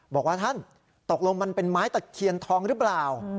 บอกว่าท่านตกลงมันเป็นไม้ตะเคียนทองหรือเปล่า